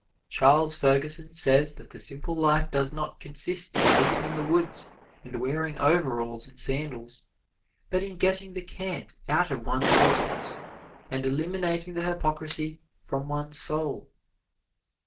Charles Ferguson says that the simple life does not consist in living in the woods and wearing overalls and sandals, but in getting the cant out of one's cosmos and eliminating the hypocrisy from one's soul.